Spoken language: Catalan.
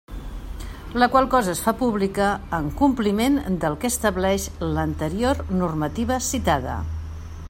La qual cosa es fa pública en compliment del que estableix l'anterior normativa citada.